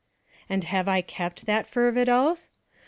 And have I kept that fervid oath?